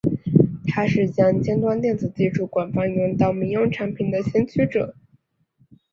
他是将尖端电子技术广泛运用到民用产品的先驱者。